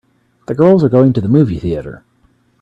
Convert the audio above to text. The girls are going to the movie theater.